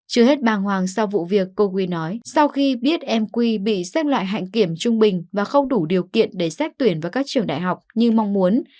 chưa hết bàng hoàng sau vụ việc cô quy nói sau khi biết em quy bị xếp loại hạnh kiểm trung bình và không đủ điều kiện để xét tuyển vào các trường đại học như mong muốn